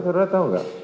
saudara tahu enggak